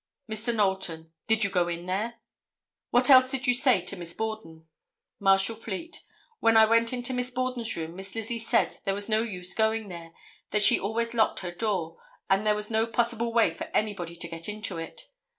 Mr. Knowlton—"Did you go in there? What else did you say to Miss Borden?" Marshal Fleet—"When I went into Miss Borden's room, Miss Lizzie said there was no use going there, that she always locked her door, and there was no possible way for anybody to get into it.